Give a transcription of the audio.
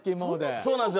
そうなんですよ。